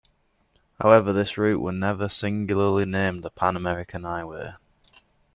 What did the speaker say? However, this route was never singularly named the Pan-American Highway.